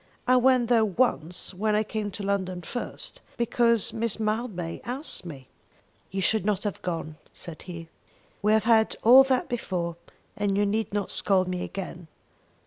I went there once when I came to London first, because Miss Mildmay asked me." "You should not have gone," said he. "We have had all that before, and you need not scold me again.